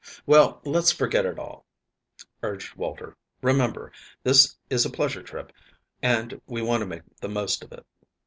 "Well, let's forget it all," urged Walter. "Remember, this is a pleasure trip, and we want to make the most of it."